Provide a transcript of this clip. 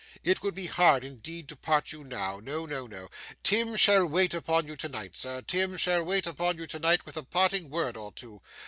It would be hard, indeed, to part you now. No, no, no! Tim shall wait upon you tonight, sir; Tim shall wait upon you tonight with a parting word or two.